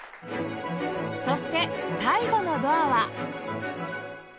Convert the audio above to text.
そして最後のドアは